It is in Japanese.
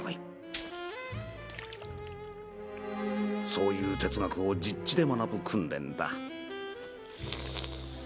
そういう哲学を実地で学ぶ訓練だ。